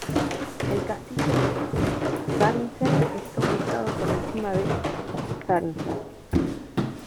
El Castillo de Zähringen está ubicado por encima de Zähringen.